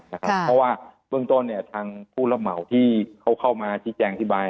เพราะว่าตรงตอนทางผู้รับเหมาที่เขาเข้ามาจริจแจงธิบาย